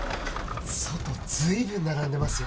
外随分並んでますよ